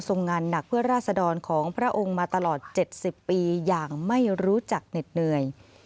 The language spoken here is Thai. งานหนักเพื่อราศดรของพระองค์มาตลอด๗๐ปีอย่างไม่รู้จักเหน็ดเหนื่อย